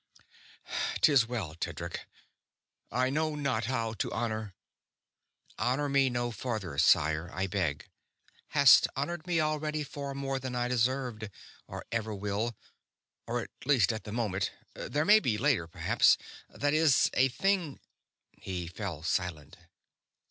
"'Tis well. Tedric, I know not how to honor...." "Honor me no farther, sire, I beg. Hast honored me already far more than I deserved, or ever will.... Or, at least, at the moment ... there may be later, perhaps ... that is, a thing ..." he fell silent.